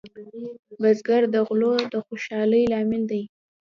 بزګر د غلو د خوشحالۍ لامل دی